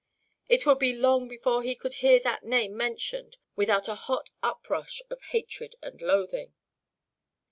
It would be long before he could hear that name mentioned without a hot uprush of hatred and loathing.